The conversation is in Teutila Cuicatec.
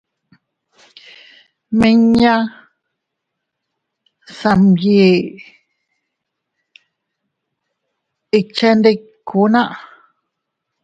Miña Samyen ikchendikuna.